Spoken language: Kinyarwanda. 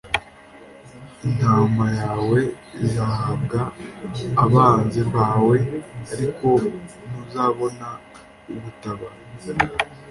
Intama yawe izahabwa abanzi bawe, ariko ntuzabona ugutabara.